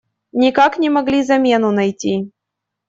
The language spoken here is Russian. Никак не могли замену найти.